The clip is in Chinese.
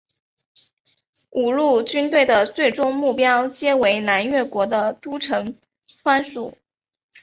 五路军队的最终目标皆为南越国的都城番禺。